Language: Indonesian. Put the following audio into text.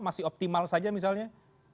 masih optimal saja misalnya